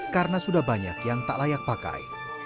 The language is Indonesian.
karena sudah banyak yang tak layak pakai